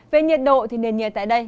về nhiệt độ thì nền nhiệt tại đây